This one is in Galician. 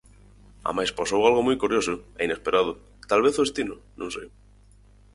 Amais pasou algo moi curioso e inesperado, talvez o destino, non sei.